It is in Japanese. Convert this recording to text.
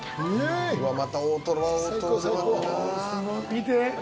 見て。